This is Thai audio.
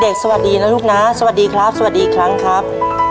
สวัสดีนะลูกนะสวัสดีครับสวัสดีอีกครั้งครับ